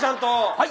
はい。